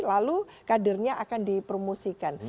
lalu kadernya akan dipromosikan